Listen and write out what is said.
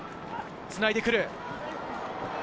つないでくる。